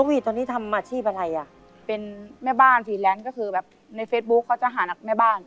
วีตอนนี้ทำอาชีพอะไรอ่ะเป็นแม่บ้านฟรีแลนซ์ก็คือแบบในเฟซบุ๊คเขาจะหานักแม่บ้าน